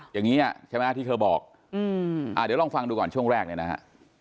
อย่างนี้ใช่ไหมที่เธอบอกเดี๋ยวลองฟังดูก่อนช่วงแรกเนี่ยนะฮะ